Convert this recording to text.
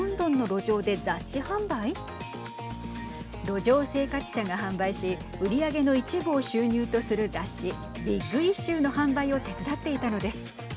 路上生活者が販売し売り上げの一部を収入とする雑誌ビッグイシューの販売を手伝っていたのです。